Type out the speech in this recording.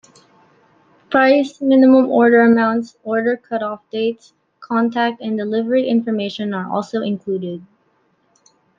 Price, minimum order amounts, order cutoff dates, contact and delivery information are also included.